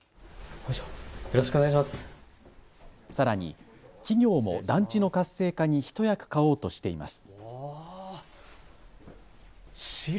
さらに企業も団地の活性化に一役買おうとしています。